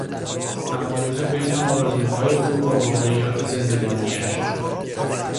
تمایز بین آرزوهای او و واقعیات زندگانیش